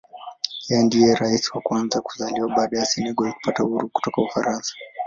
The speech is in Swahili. Yeye ndiye Rais wa kwanza kuzaliwa baada ya Senegal kupata uhuru kutoka Ufaransa.